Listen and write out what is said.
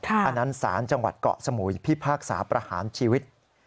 อันนั้นศาลจังหวัดเกาะสมุยพิพากษาประหารชีวิต